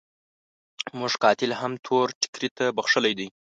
موږ قاتل هم تور ټکري ته بخښلی دی.